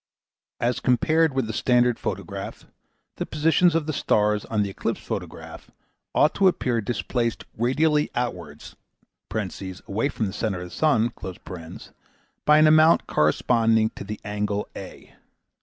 As compared whh the standard photograph, the positions of the stars on the eclipse photograph ought to appear displaced radially outwards (away from the centre of the sun) by an amount corresponding to the angle a.